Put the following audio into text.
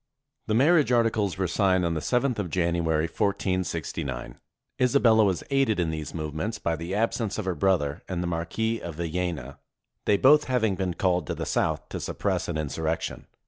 The marriage articles were signed on the 7 th of Jan uary, 1469. Isabella was aided in these movements by the absence of her brother and the Marquis of Villena, they both having been called to the south to suppress an insurrection.